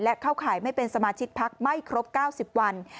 และเข้าข่ายไม่เป็นสมาชิกพักไม่ครบ๙๐วัน